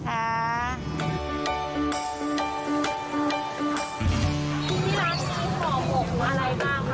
ที่ร้านนี้ขอบบอะไรบ้างคะแม่